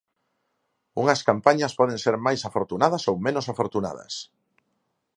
Unhas campañas poden ser máis afortunadas ou menos afortunadas.